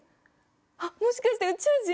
あっもしかして宇宙人！？